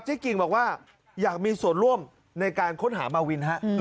กิ่งบอกว่าอยากมีส่วนร่วมในการค้นหามาวินฮะ